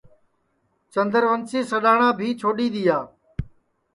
چندوسی سڈؔاٹؔا بھی چھوڈؔی دؔیا